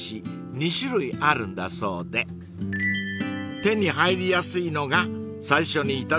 ２種類あるんだそうで手に入りやすいのが最初にいただいた荒節］